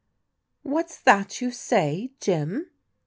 " What's that you say, Jim?